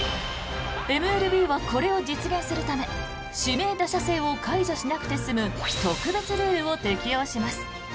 ＭＬＢはこれを実現するため指名打者制を解除しなくて済む特別ルールを適用します。